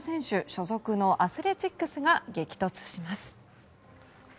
所属のアスレチックスが激突します。